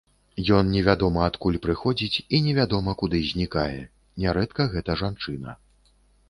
Ён невядома адкуль прыходзіць і невядома куды знікае, нярэдка гэта жанчына.